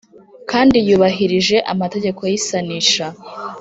kandi yubahirije amategeko y’isanisha.